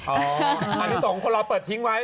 อันที่๒คนรอเกิดเปิดทิ้งไว้